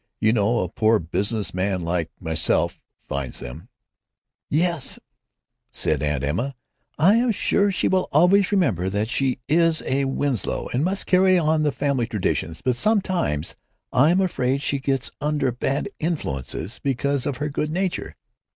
You know a poor business man like myself finds them——" "Yes," said Aunt Emma, "I am sure she will always remember that she is a Winslow, and must carry on the family traditions, but sometimes I am afraid she gets under bad influences, because of her good nature."